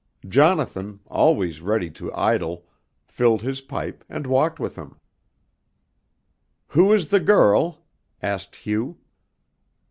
Jonathan, always ready to idle, filled his pipe and walked with him. "Who is the girl?" asked Hugh.